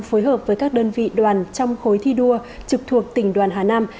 phối hợp với các đơn vị đoàn trong khối thi đua trực thuộc tỉnh đoàn hà nam